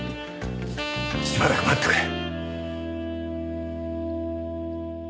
しばらく待ってくれ。